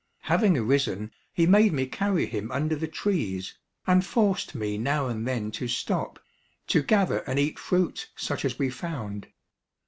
Having arisen, he made me carry him under the trees, and forced me now and then to stop, to gather and eat fruit such as we found.